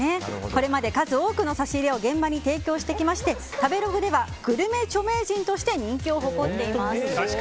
これまで数多くの差し入れを現場に提供してきまして食べログではグルメ著名人として人気を誇っています。